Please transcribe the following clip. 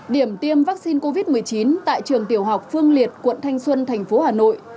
điểm tiêm vaccine covid một mươi chín tại trường tiểu học phương liệt quận thanh xuân thành phố hà nội